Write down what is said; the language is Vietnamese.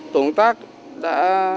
tổng tác đã